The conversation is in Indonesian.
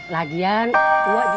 lagian wak juga tahu